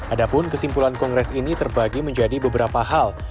adapun kesimpulan kongres ini terbagi menjadi beberapa hal